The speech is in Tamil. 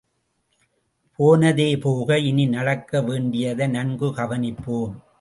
போனது போக இனி நடக்க வேண்டியதை நன்கு கவனிப்போம்.